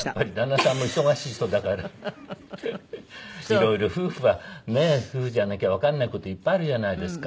色々夫婦はねえ夫婦じゃなきゃわかんない事いっぱいあるじゃないですか。